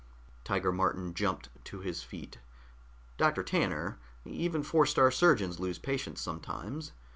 Tiger Martin jumped to his feet. "Doctor Tanner, even Four star Surgeons lose patients sometimes.